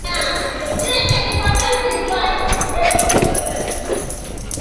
Rais Samia amekitaka Chama cha Skauti nchini kuangalia suala la maadili kwa vijana